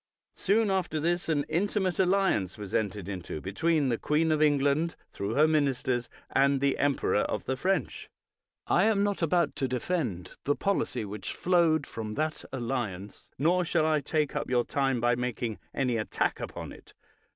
Soon after this an intimate alliance was entered into between the queen of England, through her ministers, and the emperor of the French. I am not about to defend the policy which flowed from that alliance, nor shall I take up your time by making any attack upon it.